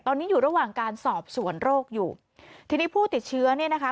ตอนนี้อยู่ระหว่างการสอบสวนโรคอยู่ทีนี้ผู้ติดเชื้อเนี่ยนะคะ